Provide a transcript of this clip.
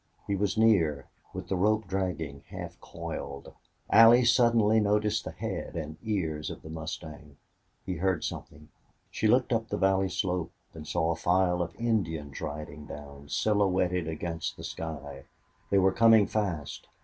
He was near, with the rope dragging, half coiled. Allie suddenly noticed the head and ears of the mustang. He heard something. She looked up the valley slope and saw a file of Indians riding down, silhouetted against the sky. They were coming fast.